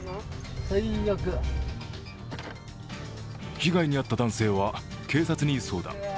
被害に遭った男性は警察に相談。